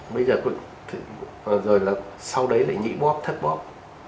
bây giờ rồi là sau đấy lại nhị bóp thất bóp